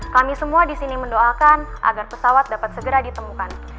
kami semua di sini mendoakan agar pesawat dapat segera ditemukan